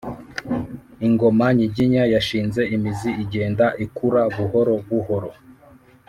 ingoma nyiginya yashinze imizi igenda ikura buhorobuhoro